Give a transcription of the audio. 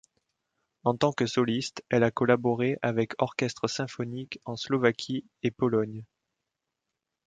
En tant que soliste, elle a collaboré avec orchestres symphoniques en Slovaquie et Pologne.